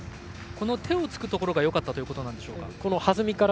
手をつくところがよかったということでしょうか。